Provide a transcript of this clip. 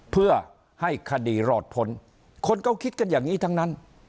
เพื่อให้คดีรอดพ้นคนก็คิดกันอย่างนี้ทั้งนั้น